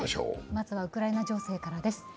まずはウクライナ情勢からです。